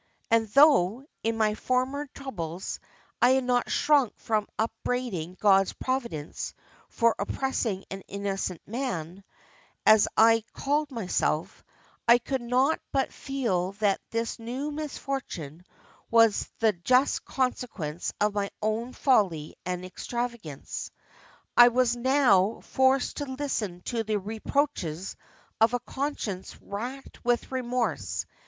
And though, in my former troubles, I had not shrunk from upbraiding God's providence for oppressing an innocent man, as I called myself, I could not but feel that this new misfortune was the just consequence of my own folly and extravagance. I was now forced to listen to the reproaches of a conscience racked with remorse.